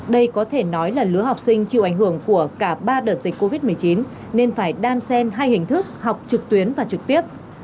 đây có thể nói là lứa học sinh chịu ảnh hưởng của cả ba đợt dịch covid một mươi chín nên phải đan sen hai hình thức học trực tuyến và trực tiếp